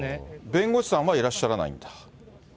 弁護士さんはいらっしゃらないんだ。